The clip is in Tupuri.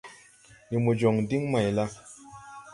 Ndi mo jɔŋ diŋ mayla ?